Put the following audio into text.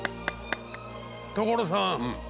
所さん！